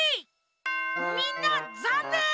みんなざんねん！